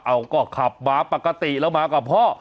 เอาก็ขับมาปกติแล้วมากับพ่อ